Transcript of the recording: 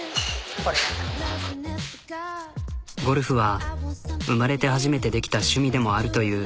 ゴルフは生まれて初めてできた趣味でもあるという。